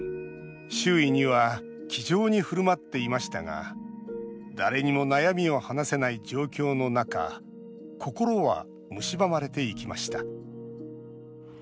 周囲には気丈にふるまっていましたが誰にも悩みを話せない状況の中心はむしばまれていきました